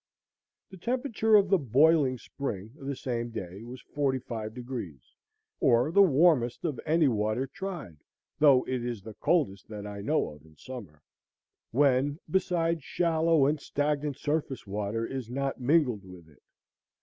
The temperature of the Boiling Spring the same day was 45°, or the warmest of any water tried, though it is the coldest that I know of in summer, when, beside, shallow and stagnant surface water is not mingled with it.